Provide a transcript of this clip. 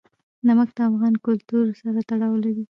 نمک د افغان کلتور سره تړاو لري.